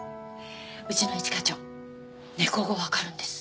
うちの一課長猫語わかるんです。